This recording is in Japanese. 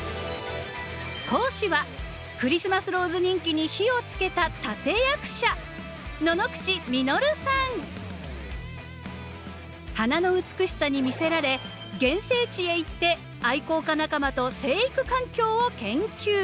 講師はクリスマスローズ人気に火をつけた立て役者花の美しさに魅せられ原生地へ行って愛好家仲間と生育環境を研究。